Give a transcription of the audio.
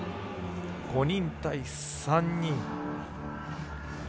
５人対３人。